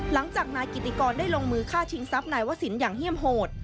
หลังจากนายกิติกรได้ลงมือฆ่าชิงทรัพย์นายวศิลปอย่างเยี่ยมโหด